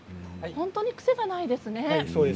本当に癖がないですね。